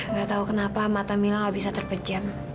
nggak tahu kenapa mata mila gak bisa terpejam